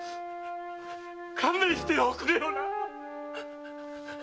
勘弁しておくれよな。